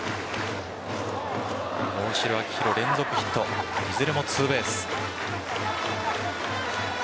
大城、秋広、連続ヒットいずれもツーベース。